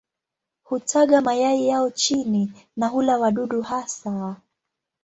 Hutaga mayai yao chini na hula wadudu hasa.